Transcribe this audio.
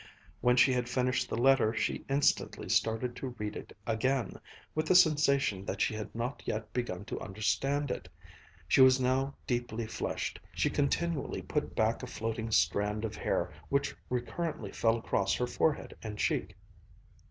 When she had finished the letter she instantly started to read it again, with the sensation that she had not yet begun to understand it. She was now deeply flushed. She continually put back a floating strand of hair, which recurrently fell across her forehead and cheek.